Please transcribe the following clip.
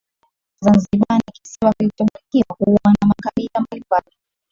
Zanzibar ni kisiwa kilichobarikiwa kuwa na makabila mbalimbali